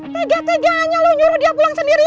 tega tega aja lo nyuruh dia pulang sendirian